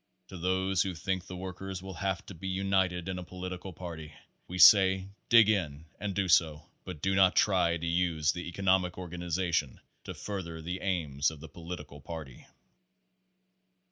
To those who think the workers will have to be united in a political party, we say dig in and do so, but do not try to use the economic organization to further the aims of the political party.